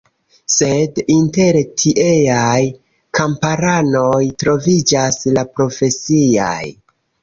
Sed, inter tieaj kamparanoj troviĝas la profesiaj.